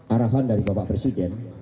arahan dari bapak presiden